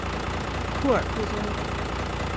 库尔布宗。